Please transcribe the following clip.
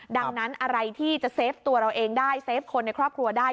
ดังนั้นอะไรที่จะเซฟตัวเราเองได้เฟฟคนในครอบครัวได้